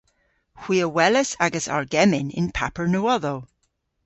Hwi a welas agas argemmyn y'n paper nowodhow.